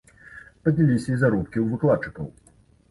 Падняліся і заробкі ў выкладчыкаў.